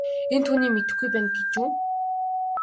Энэ түүнийг мэдэхгүй байна гэж үү.